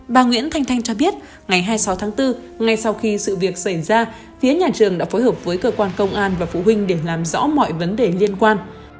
bà nguyễn thanh thanh cho biết ngày hai mươi sáu tháng bốn ngay sau khi sự việc xảy ra phía nhà trường đã phối hợp với cơ quan công an và phụ huynh để làm rõ mọi vấn đề liên quan